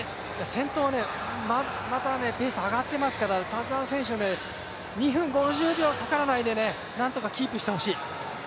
先頭はまたペースが上がっていますから、田澤選手は２分５０秒かからないでなんとかキープしてほしい。